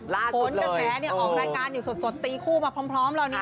โผล่กระแสออกรายการอยู่สดตีคู่มาพร้อม